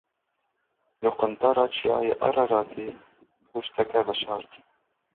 Li quntara Çiyayê Araratê bihuşteke veşartî.